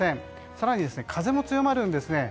更に風も強まるんです。